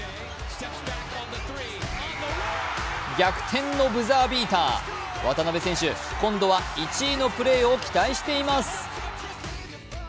逆転のブザービーター、渡邊選手、今度は１位のプレーを期待しています。